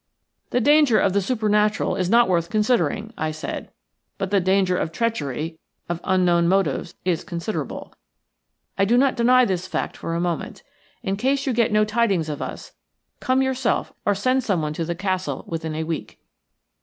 "The danger of the supernatural is not worth considering," I said, "but the danger of treachery, of unknown motives, is considerable. I do not deny this fact for a moment. In case you get no tidings of us, come yourself or send some one to the castle within a week."